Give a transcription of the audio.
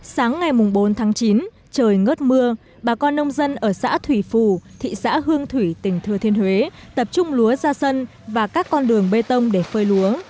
sáng ngày bốn tháng chín trời ngớt mưa bà con nông dân ở xã thủy phù thị xã hương thủy tỉnh thừa thiên huế tập trung lúa ra sân và các con đường bê tông để phơi lúa